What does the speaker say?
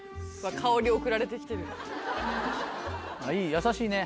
優しいね。